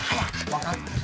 わかってる。